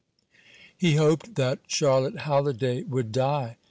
He hoped that Charlotte Halliday would die.